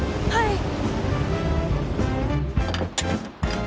はい。